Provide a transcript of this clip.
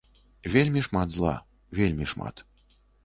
Вельмі шмат зла, вельмі шмат.